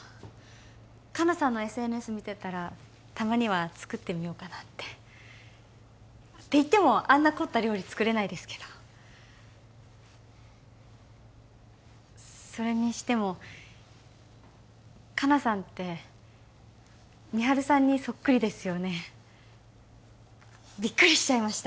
香菜さんのＳＮＳ見てたらたまには作ってみようかなってっていってもあんな凝った料理作れないですけどそれにしても香菜さんって美晴さんにソックリですよねビックリしちゃいました